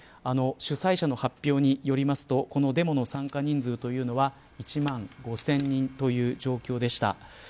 主催者の発表によりますとこのデモの参加人数というのは１万５０００人という状況でした。